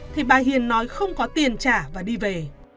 thì bà hiền nói không có tiền trả và đi về